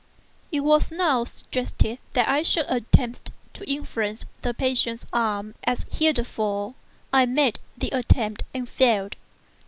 It was now suggested that I should attempt to influence the patient's arm, as heretofore. I made the attempt and failed.